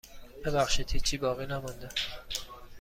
ببخشید هیچی باقی نمانده.